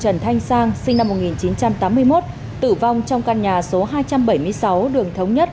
trần thanh sang sinh năm một nghìn chín trăm tám mươi một tử vong trong căn nhà số hai trăm bảy mươi sáu đường thống nhất